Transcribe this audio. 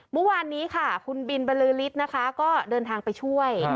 เมื่อวานนี้ค่ะคุณบินบรรลือฤทธิ์นะคะก็เดินทางไปช่วย